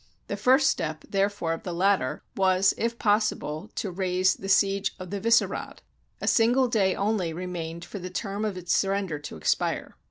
The first step, therefore, of the latter was, if possible, to raise the siege of the Vissehrad. A single day only remained for the term of its surrender to expire.